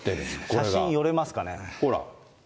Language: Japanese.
写真、寄れますかね。